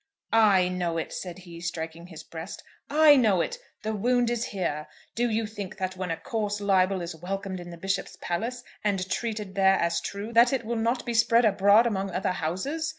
"I know it," said he, striking his breast. "I know it. The wound is here. Do you think that when a coarse libel is welcomed in the Bishop's palace, and treated there as true, that it will not be spread abroad among other houses?